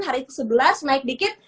hari ke sebelas naik dikit